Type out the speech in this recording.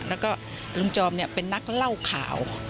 แล้วก็ลุงจอมเป็นนักเล่าข่าว